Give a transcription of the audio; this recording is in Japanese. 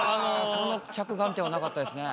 その着眼点はなかったですね。